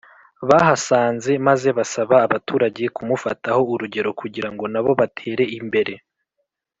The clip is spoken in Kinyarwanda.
bahasanze maze basaba abaturage kumufataho urugero kugira ngo nabo batere imbere